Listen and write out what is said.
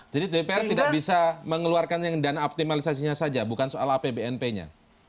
jadi dpr tidak bisa mengeluarkan dana optimalisasinya saja bukan soal apbnp nya